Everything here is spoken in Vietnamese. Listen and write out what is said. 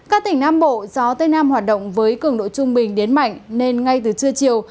các tỉnh nam bộ gió tây nam hoạt động với cường độ trung bình đến mạnh nên ngay từ trưa chiều